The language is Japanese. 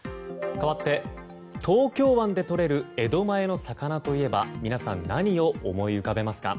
かわって、東京湾で取れる江戸前の魚といえば皆さん、何を思い浮かべますか。